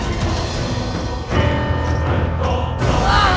aku tidak tahu